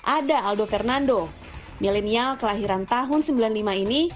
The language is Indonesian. ada aldo fernando milenial kelahiran tahun seribu sembilan ratus sembilan puluh lima ini